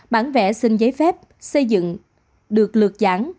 bản vẽ xin giấy phép xây dựng được lược giảng